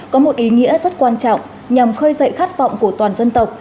có một ý nghĩa rất quan trọng nhằm khơi dậy khát vọng của toàn dân tộc